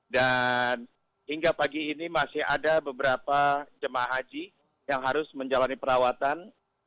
dan hingga pagi ini masih ada beberapa jemaah haji yang harus menjalani perawatan